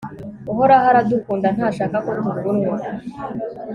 Uhoraho aradukunda ntashaka ko tuvunwa